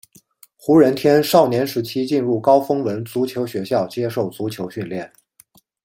胡人天少年时期进入高丰文足球学校接受足球训练。